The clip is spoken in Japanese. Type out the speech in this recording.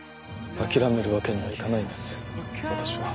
諦めるわけにはいかないんです私は。